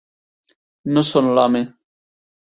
No són l'home.